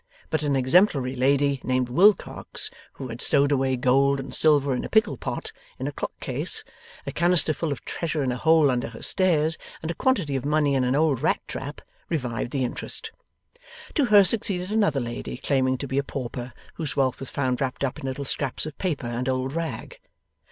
But an exemplary lady named Wilcocks, who had stowed away gold and silver in a pickle pot in a clock case, a canister full of treasure in a hole under her stairs, and a quantity of money in an old rat trap, revived the interest. To her succeeded another lady, claiming to be a pauper, whose wealth was found wrapped up in little scraps of paper and old rag.